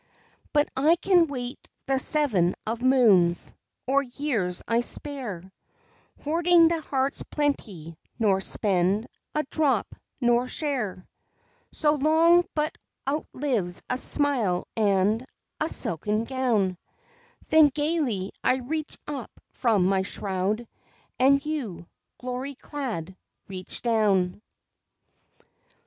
But I can wait the seven of moons, Or years I spare, Hoarding the heart's plenty, nor spend A drop, nor share So long but outlives a smile and A silken gown; Then gaily I reach up from my shroud, And you, glory clad, reach down.